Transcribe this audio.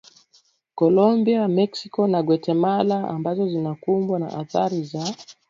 Colombia Mexico na Guatemala ambazo zinakumbwa na athari za